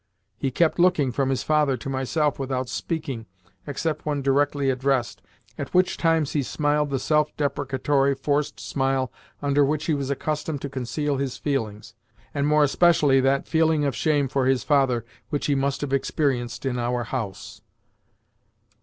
He kept looking from his father to myself without speaking, except when directly addressed, at which times he smiled the self deprecatory, forced smile under which he was accustomed to conceal his feelings, and more especially that feeling of shame for his father which he must have experienced in our house.